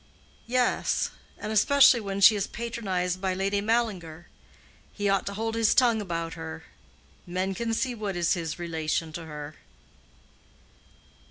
"Yes; and especially when she is patronized by Lady Mallinger. He ought to hold his tongue about her. Men can see what is his relation to her."